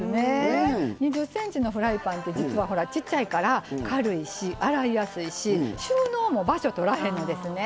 ２０ｃｍフライパンって小さいから軽いし洗いやすいし収納も場所とらへんのですね。